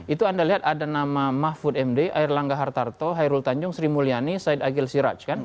itu anda lihat ada nama mahfud md air langga hartarto hairul tanjung sri mulyani said agil siraj kan